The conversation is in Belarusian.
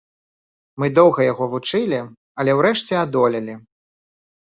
Мы доўга яго вучылі, але ўрэшце адолелі.